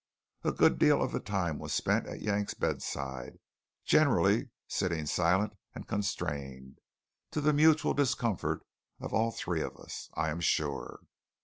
A good deal of the time we spent at Yank's bedside, generally sitting silent and constrained, to the mutual discomfort of all three of us, I am sure.